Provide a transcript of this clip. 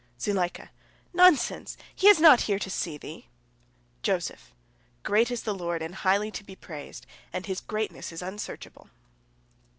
Zuleika: "Nonsense! He is not here to see thee! Joseph: "Great is the Lord and highly to be praised, and His greatness is unsearchable."